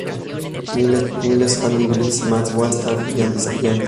Miles, Andy Blitz, Matt Walsh, Brian Stack, y Andy Samberg.